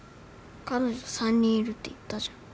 彼女３人いるって言ったじゃん。